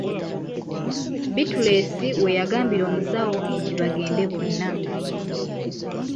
Bittulensi we yagambira omusawo nti bagende bonna